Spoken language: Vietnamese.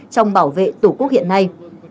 trong bảo vệ tổ quốc hiện nay